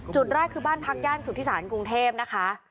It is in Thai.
จุดแรกคือบ้านพักย่านสุธิศาลกรุงเทพนะคะ